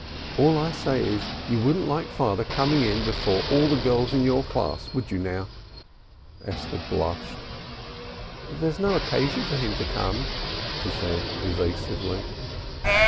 All I say is you wouldn't like father coming in before all the girls in your class, would you, now?" Esther blushed. "There is no occasion for him to come," she said evasively.